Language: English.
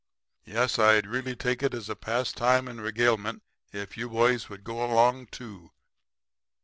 Yes, I'd really take it as a pastime and regalement if you boys would go along too.'